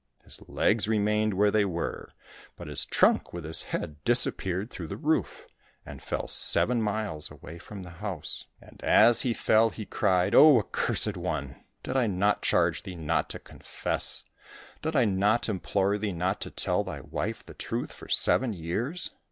His legs remained where they were, but his trunk with his head disappeared through the roof, and fell seven miles away from the house. And as 281 COSSACK FAIRY TALES he fell he cried, " Oh, accursed one ! did I not charge thee not to confess ! Did I not implore thee not to tell thy wife the truth for seven years